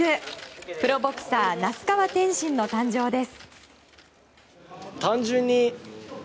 プロボクサー那須川天心の誕生です。